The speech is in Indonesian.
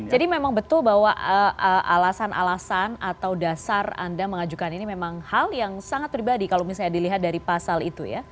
jadi memang betul bahwa alasan alasan atau dasar anda mengajukan ini memang hal yang sangat pribadi kalau misalnya dilihat dari pasal itu ya